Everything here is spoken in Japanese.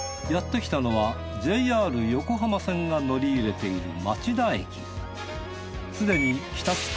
やってきたのはＪＲ横浜線が乗り入れている町田駅。